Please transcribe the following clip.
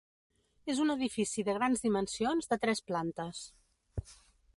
És un edifici de grans dimensions de tres plantes.